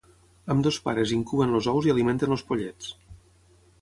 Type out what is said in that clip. Ambdós pares incuben els ous i alimenten els pollets.